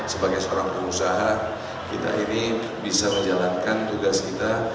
sebagai seorang pengusaha kita ini bisa menjalankan tugas kita